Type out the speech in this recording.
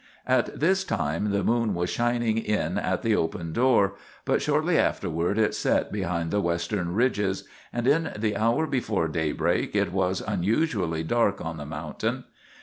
At this time the moon was shining in at the open door; but shortly afterward it set behind the western ridges, and in the hour before daybreak it was unusually dark on the mountain.